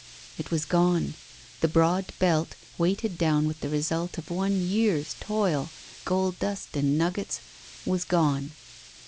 It was gone. That broad belt, weighted down with the result of one year's toil, gold dust and nuggets, was gone.